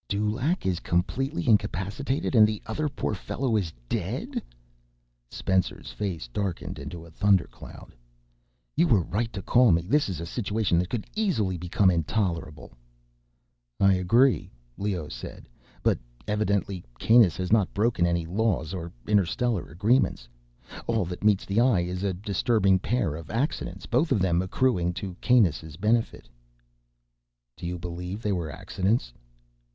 "Dulaq is completely incapacitated and the other poor fellow is dead?" Spencer's face darkened into a thundercloud. "You were right to call me. This is a situation that could easily become intolerable." "I agree," Leoh said. "But evidently Kanus has not broken any laws or interstellar agreements. All that meets the eye is a disturbing pair of accidents, both of them accruing to Kanus' benefit." "Do you believe that they were accidents?"